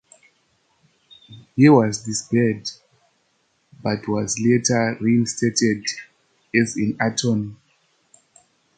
He was disbarred, but was later reinstated, as an attorney.